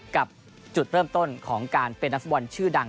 กับจุดเริ่มต้นของการเป็นนักฟุตบอลชื่อดัง